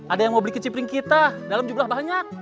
ada yang mau beli kecipring kita dalam jumlah banyak